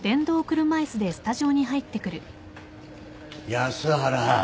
・・安原。